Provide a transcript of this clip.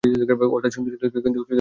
অর্থাৎ, শুনতে সুন্দর কিন্তু করতে অসাধ্য!